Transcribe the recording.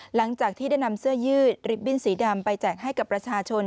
หลังจากที่ได้นำเสื้อยืดริบบิ้นสีดำไปแจกให้กับประชาชน